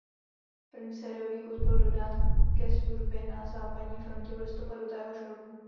První sériový kus byl dodán ke službě na západní frontě v listopadu téhož roku.